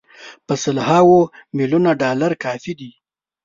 په سل هاوو میلیونه ډالر کافي دي.